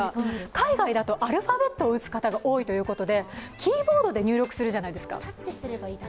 海外ではアルファベットを打つ方が多いので、キーボードで入力するじゃないですか？